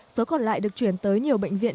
số còn lại được chuyển tới nhiều bệnh viện